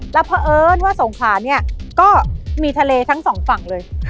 แล้วเพราะเอิญว่าสงขาเนี่ยก็มีทะเลทั้งสองฝั่งเลย